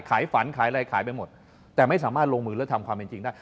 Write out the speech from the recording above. ขายฝันขายอะไรขายไปหมดแต่ไม่สามารถลงมือและทำความเป็นจริงได้